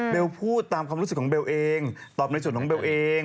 พูดตามความรู้สึกของเบลเองตอบในส่วนของเบลเอง